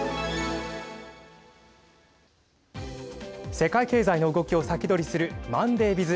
世界経済の動きを先取りするＭｏｎｄａｙＢｉｚ。